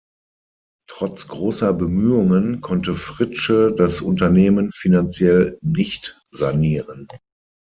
Trotz großer Bemühungen konnte Fritzsche das Unternehmen finanziell nicht sanieren.